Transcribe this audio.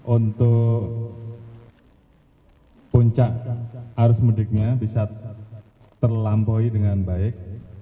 untuk puncak arus mudiknya bisa terlampaui dengan baik